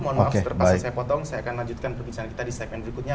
mohon maaf sebentar saya potong saya akan lanjutkan perbincangan kita di segmen berikutnya